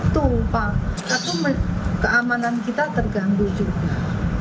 tuh pak keamanan kita tergantung juga